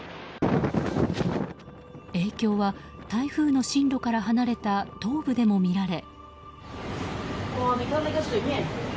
影響は台風の進路から離れた東部でも見られ。